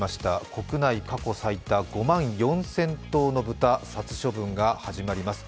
国内過去最多５万４０００頭の豚殺処分が始まります。